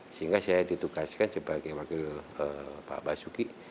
sehingga saya ditugaskan sebagai wakil pak basuki